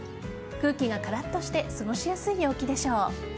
空気がカラッとして過ごしやすい陽気でしょう。